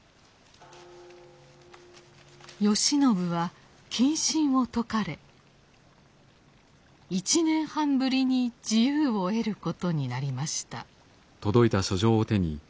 慶喜は謹慎を解かれ１年半ぶりに自由を得ることになりました。